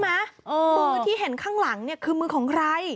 มือที่เห็นข้างหลังคือมือของใคร